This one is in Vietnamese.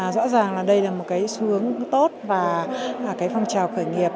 rõ ràng là đây là một cái xu hướng tốt và cái phong trào khởi nghiệp